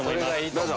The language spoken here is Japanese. どうぞ。